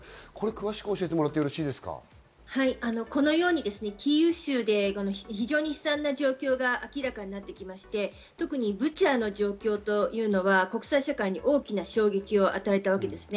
詳しく教このようにキーウ州で非常に悲惨な状況が明らかになってきまして、特にブチャの状況というのは国際社会に大きな衝撃を与えたわけです。